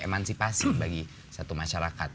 emansipasi bagi satu masyarakat